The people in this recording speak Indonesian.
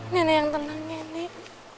nenek yang tenang nenek